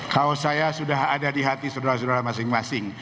kaos saya sudah ada di hati saudara saudara masing masing